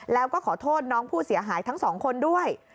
แล้วก็ขอโทษน้องผู้เสียหายทั้งสองคนด้วย